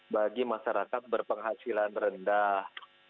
bagi masyarakat berpenghasilan rendah